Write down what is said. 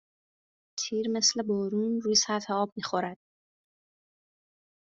تیر مثل بارون روی سطح آب میخورد